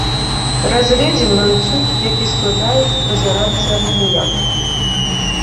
Разгледзім ланцуг, які складаюць пры зарадцы акумулятара.